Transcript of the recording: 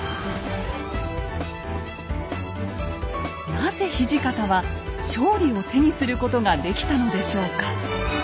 なぜ土方は勝利を手にすることができたのでしょうか。